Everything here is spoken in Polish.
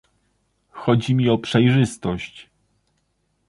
Chodzi mi o przejrzystość